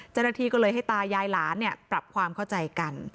เจ้าหน้าที่ก็เลยให้ตายายหลานปรับความเข้าใจกัน